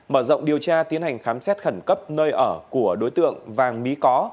mở rộng điều tra tiến hành khám xét khẩn cấp nơi ở của đối tượng vàng mỹ có